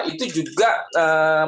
itu juga mabespori